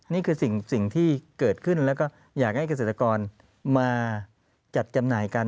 นี่คือสิ่งที่เกิดขึ้นแล้วก็อยากให้เกษตรกรมาจัดจำหน่ายกัน